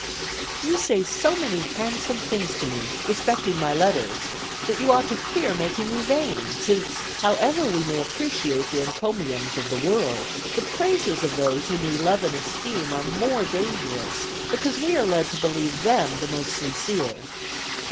"You say so many handsome things to me, respecting my letters, that you ought to fear making me vain; since, however we may appreciate the encomiums of the world, the praises of those whom we love and esteem are more dangerous, because we are led to believe them the most sincere.